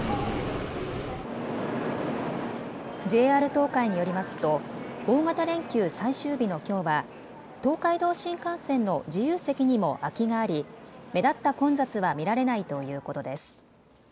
ＪＲ東海によりますと大型連休最終日のきょうは東海道新幹線の自由席にも空きがあり目立った混雑は見られないということです。